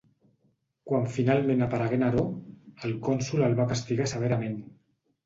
Quan finalment aparegué Neró, el consol el va castigar severament.